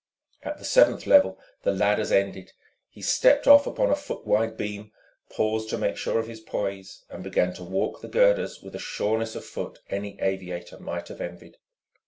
At the seventh level the ladders ended. He stepped off upon a foot wide beam, paused to make sure of his poise, and began to walk the girders with a sureness of foot any aviator might have envied.